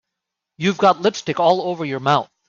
You've got lipstick all over your mouth.